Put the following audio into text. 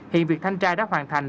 hiện việc thanh tra đã hoàn thành